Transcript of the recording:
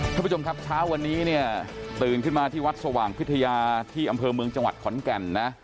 ท่านผู้ชมครับเช้าวันนี้เนี่ยตื่นขึ้นมาที่วัดสว่างพิทยาที่อำเภอเมืองจังหวัดขอนแก่นนะ